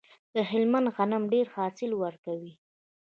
د هلمند غنم ډیر حاصل ورکوي.